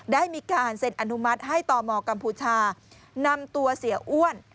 ได้มีการเซ็นอนุมัติให้ตมกัมพูชานำตัวเสียอ้วน